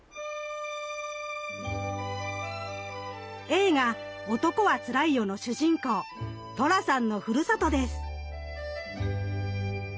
映画「男はつらいよ」の主人公寅さんのふるさとです。